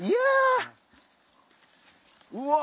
うわ！